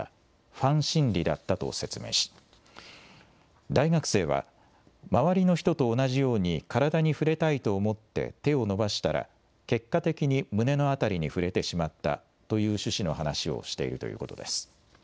ファン心理だったと説明し、大学生は、周りの人と同じように体に触れたいと思って手を伸ばしたら、結果的に胸のあたりに触れてしまったという趣旨の話をしているということです。